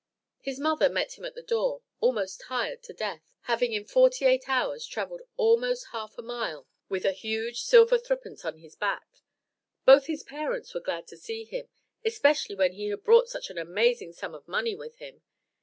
His mother met him at the door, almost tired to death, having in forty eight hours travelled almost half a mile with a huge silver threepence upon his back. Both his parents were glad to see him, especially when he had brought such an amazing sum of money with him.